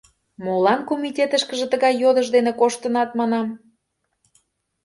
Молан комитетышкыже тыгай йодыш дене коштынат, манам?